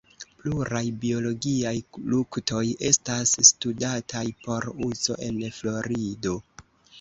Pluraj biologiaj luktoj estas studataj por uzo en Florido.